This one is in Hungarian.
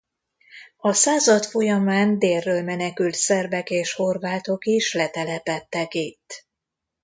A század folyamán délről menekült szerbek és horvátok is letelepedtek itt.